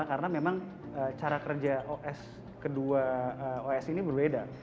karena cara kerja os kedua os ini berbeda